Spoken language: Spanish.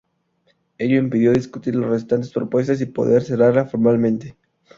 Ello impidió discutir las restantes propuestas y poder cerrarla formalmente.